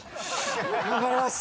頑張ります。